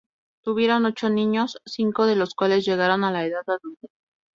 Tuvieron ocho niños, cinco de los cuales llegaron a la edad adulta.